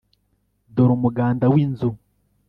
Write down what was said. dore umuganda w'inzu.